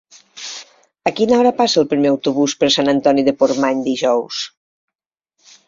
A quina hora passa el primer autobús per Sant Antoni de Portmany dijous?